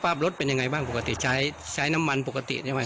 รถเป็นยังไงบ้างปกติใช้ใช้น้ำมันปกติได้ไหม